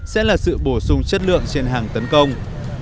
sẽ là sự bổ sung chất lượng trên hàng tấn công